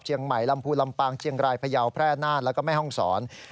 ใหม่ลำพูลำปางเชียงรายพยาวแพร่นานแล้วก็แม่ห้องศร